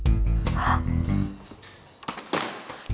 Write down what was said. dokternya masih ada